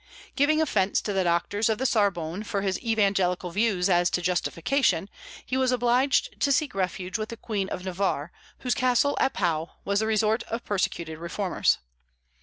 Giving offence to the doctors of the Sorbonne for his evangelical views as to Justification, he was obliged to seek refuge with the Queen of Navarre, whose castle at Pau was the resort of persecuted reformers.